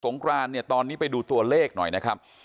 สงกรานตอนนี้ไปดูตัวเลขหน่อยนะครับ